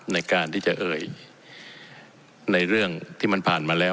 ในการที่จะเอ่ยในเรื่องที่มันผ่านมาแล้ว